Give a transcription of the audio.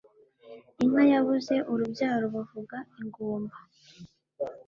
Inka yabuze urubyaro bavuga ingumba